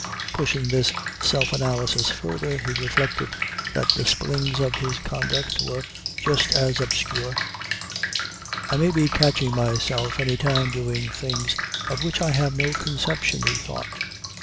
Pushing this self analysis further, he reflected that the springs of his conduct were just as obscure. "I may be catching myself any time doing things of which I have no conception," he thought.